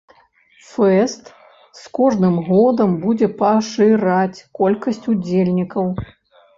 Фэст з кожным годам будзе пашыраць колькасць удзельнікаў.